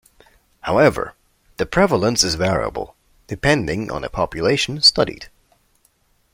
However, the prevalence is variable depending on the population studied.